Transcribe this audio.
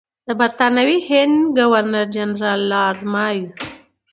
د برټانوي هند ګورنر جنرال لارډ مایو.